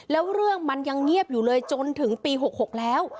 แล้วเรื่องมันยังเงียบอยู่เลยจนถึงปี๖๖แล้ว